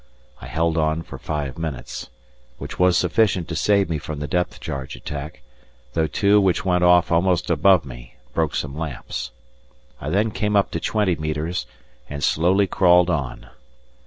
I held on for five minutes, which was sufficient to save me from the depth charge attack, though two which went off almost above me broke some lamps. I then came up to twenty metres and slowly crawled on.